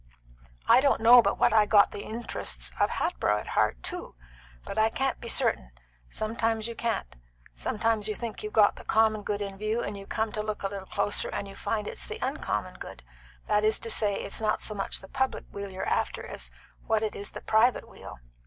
I don't know but what I got the interests of Hatboro' at heart too, but I can't be certain; sometimes you can't; sometimes you think you've got the common good in view, and you come to look a little closer and you find it's the uncommon good; that is to say, it's not so much the public weal you're after as what it is the private weal.